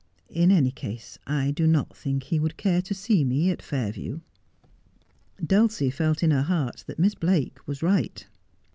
In any case I do not think he would care to see me at Fairview.' Dulcie felt in her heart that Miss Blake was right.